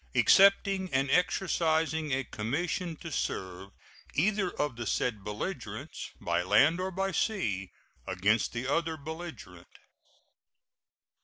Accepting and exercising a commission to serve either of the said belligerents, by land or by sea, against the other belligerent.